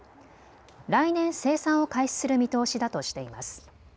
来年、生産を開始する見通しだとしています。